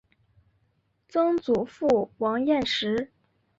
曾祖父王彦实。